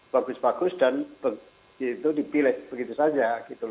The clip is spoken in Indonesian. bagus bagus dan itu dipilih begitu saja